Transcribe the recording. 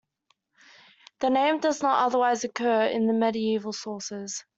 The name does not otherwise occur in the medieval sources.